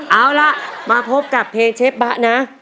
เอาล่ะมาพบกับเพลงเชฟบะนะ